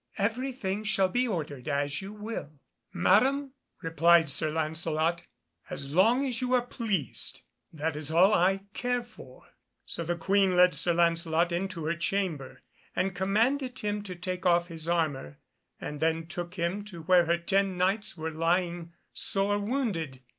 Everything shall be ordered as you will." "Madam," replied Sir Lancelot, "as long as you are pleased, that is all I care for," so the Queen led Sir Lancelot into her chamber, and commanded him to take off his armour, and then took him to where her ten Knights were lying sore wounded.